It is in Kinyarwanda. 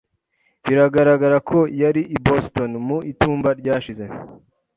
Biragaragara ko yari i Boston mu itumba ryashize.